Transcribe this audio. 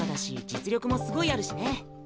実力もすごいあるしね。